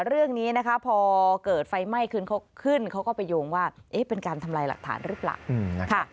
เรื่องนี้พอเกิดไฟไหม้ขึ้นเขาก็ไปโยงว่าเป็นการทำลายหลักฐานหรือเปล่า